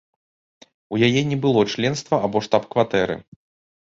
У яе не было членства або штаб-кватэры.